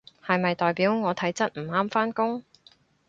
係咪代表我體質唔啱返工？